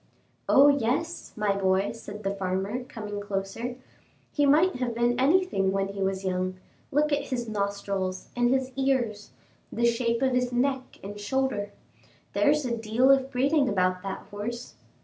"Oh, yes! my boy," said the farmer, coming closer, "he might have been anything when he was young; look at his nostrils and his ears, the shape of his neck and shoulder; there's a deal of breeding about that horse."